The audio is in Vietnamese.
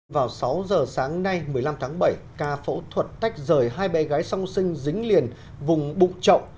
vào sáu giờ sáng nay một mươi năm tháng bảy ca phẫu thuật tách rời hai bé gái song sinh dính liền vùng bụng chậu